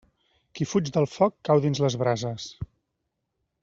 Qui fuig del foc cau dins les brases.